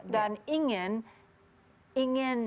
dan ingin ingin